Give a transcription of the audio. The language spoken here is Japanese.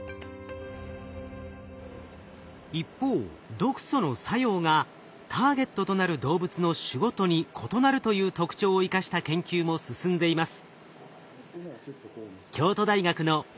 一方毒素の作用がターゲットとなる動物の種ごとに異なるという特徴を生かした研究も進んでいます。